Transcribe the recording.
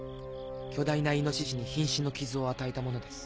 巨大な猪に瀕死の傷を与えたものです。